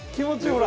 ほら。